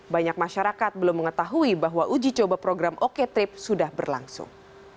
banyak masyarakat belum mengetahui bahwa uji coba program oke trip sudah berlangsung